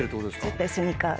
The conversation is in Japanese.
絶対スニーカーで。